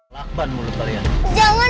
jangan om jangan